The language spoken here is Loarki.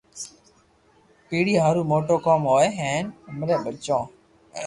پيڙي ھارون موٽو ڪوم ھوئي ھين امري ٻچو